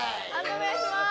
お願いします。